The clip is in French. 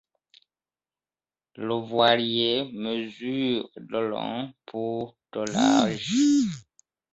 Le voilier mesure de long, pour de large.